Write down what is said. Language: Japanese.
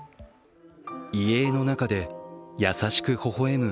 遺影の中で優しくほほ笑む